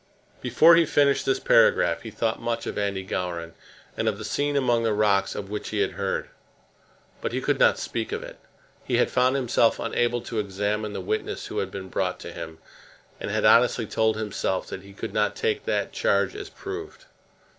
Before he finished this paragraph, he thought much of Andy Gowran and of the scene among the rocks of which he had heard. But he could not speak of it. He had found himself unable to examine the witness who had been brought to him, and had honestly told himself that he could not take that charge as proved.